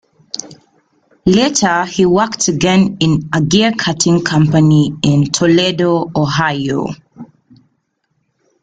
Later, he worked again in a gear-cutting company in Toledo, Ohio.